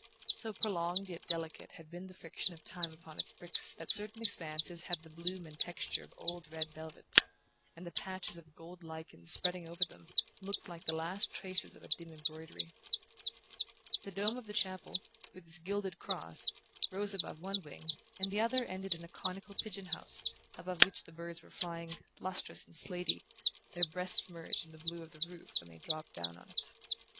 So prolonged yet delicate had been the friction of time upon its bricks that certain expanses had the bloom and texture of old red velvet, and the patches of gold lichen spreading over them looked like the last traces of a dim embroidery. The dome of the chapel, with its gilded cross, rose above one wing, and the other ended in a conical pigeon house, above which the birds were flying, lustrous and slatey, their breasts merged in the blue of the roof when they dropped down on it.